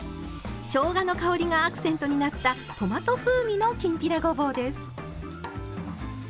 しょうがの香りがアクセントになったトマト風味のきんぴらごぼうです。